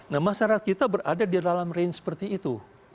nah masyarakat kita berada di dalam range seperti itu